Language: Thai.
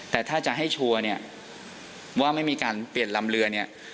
แต่ถ้าจะให้ชัวร์เนี่ยว่าไม่มีการเปลี่ยนลำเรือเนี่ย